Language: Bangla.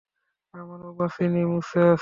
আমরা বাছিনি, মোসেস।